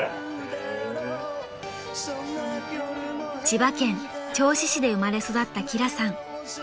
［千葉県銚子市で生まれ育った輝さん］